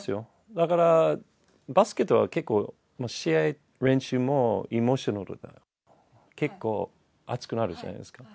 だからバスケは結構、試合も練習もエモーショナル、結構、熱くなるじゃないですか。